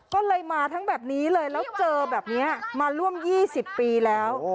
ก็เลยมาทั้งแบบนี้เลยแล้วเจอแบบนี้มาร่วม๒๐ปีแล้ว